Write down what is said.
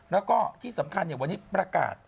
แล้วก็ที่สำคัญวันนี้ประกาศ